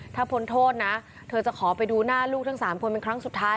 ถ้าพ้นโทษนะเธอจะขอไปดูหน้าลูกทั้ง๓คนเป็นครั้งสุดท้าย